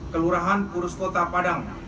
kelurahan purus kota padang